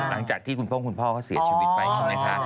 หลังจากที่คุณพ่อคุณพ่อก็เสียชีวิตไป